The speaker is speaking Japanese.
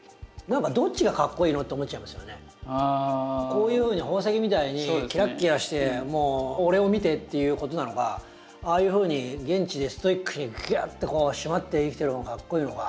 こういうふうに宝石みたいにキラッキラしてもう「俺を見て」っていうことなのかああいうふうに現地でストイックにグワッとこうしまって生きてる方がかっこイイのか。